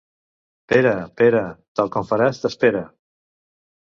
Pere, Pere, tal com faràs t'espera.